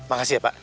makasih ya pak